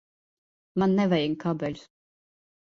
Man nevajag kabeļus.